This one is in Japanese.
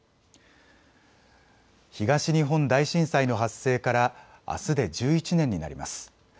東日本大震災の発生からあすで１１年になります。